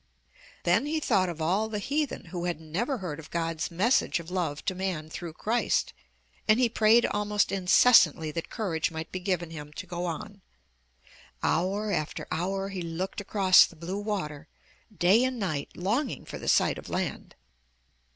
Then he thought of all the heathen who had never heard of God's message of love to man through Christ, and he prayed almost incessantly that courage might 213 MY BOOK HOUSE be given him to go on. Hour after hour he looked across the blue water, day and night, longing for the sight of land.